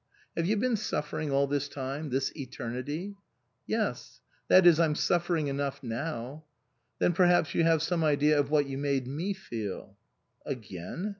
Have you been suffering all this time this eternity ?"" Yes. That is, I'm suffering enough now." " Then perhaps you have some idea of what you made me feel." "Again?"